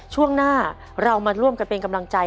ช่วงหน้าเรามาร่วมกันเป็นกำลังใจ